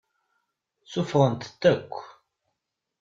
Suffɣet-tent akk.